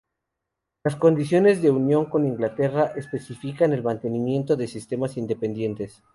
Las condiciones de unión con Inglaterra especifican el mantenimiento de sistemas independientes.